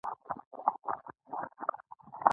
علم د ټولنیز مسؤلیت احساس راویښوي.